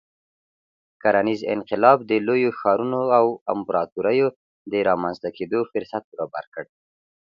کرنیز انقلاب د لویو ښارونو او امپراتوریو د رامنځته کېدو فرصت برابر کړ.